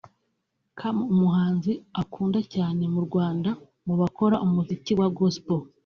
com umuhanzi akunda cyane mu Rwanda mu bakora umuziki wa Gospel